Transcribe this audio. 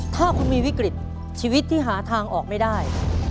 ถ้าคุณมีวิกฤตชีวิตที่หาทางออกไม่ได้